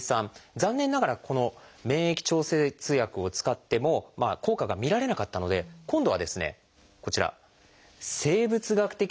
残念ながらこの免疫調節薬を使っても効果が見られなかったので今度はこちら生物学的製剤。